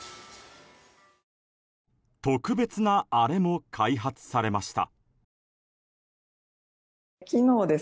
特別なアレも開発されました。